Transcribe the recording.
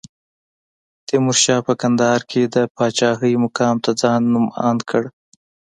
تیمورشاه په کندهار کې د پاچاهۍ مقام ته ځان نوماند کړ.